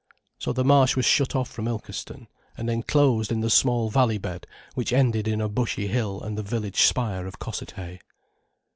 So the Marsh was shut off from Ilkeston, and enclosed in the small valley bed, which ended in a bushy hill and the village spire of Cossethay.